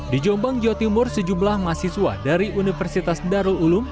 di jombang jawa timur sejumlah mahasiswa dari universitas darul ulum